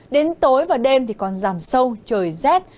đến tối và đêm thì còn giảm sâu trời rét